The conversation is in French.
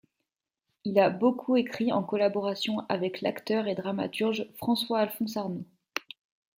Il a beaucoup écrit en collaboration avec l’acteur et dramaturge François-Alphonse Arnault.